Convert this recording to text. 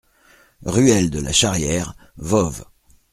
Ruelle de la Charrière, Voves